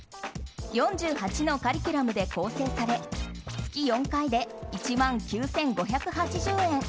４８のカリキュラムで構成され月４回で１万９５８０円。